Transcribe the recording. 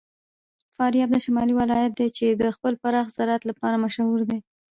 فاریاب د شمال ولایت دی چې د خپل پراخ زراعت لپاره مشهور دی.